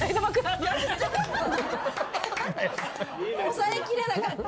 抑えきれなかった。